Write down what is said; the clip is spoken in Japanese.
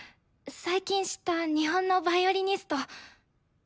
最近知った日本のヴァイオリニスト。